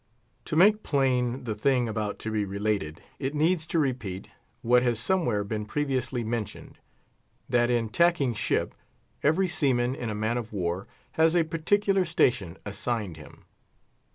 To make plain the thing about to be related, it needs to repeat what has somewhere been previously mentioned, that in tacking ship every seaman in a man of war has a particular station assigned him.